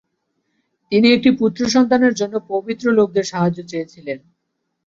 তিনি একটি পুত্র সন্তানের জন্য পবিত্র লোকদের সাহায্য চেয়েছিলেন।